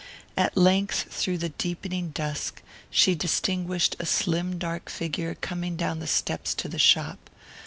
At length through the deepening dusk she distinguished a slim dark figure coming down the steps to the shop.